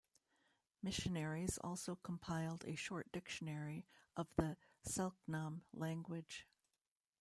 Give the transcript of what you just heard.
Missionaries also compiled a short dictionary of the Selk'nam language.